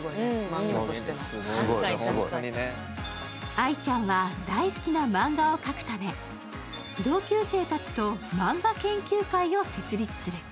相ちゃんは大好きなマンガを描くため同級生たちと漫画研究会を設立する。